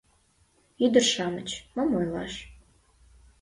Ӱдыр-шамыч, мом ойлаш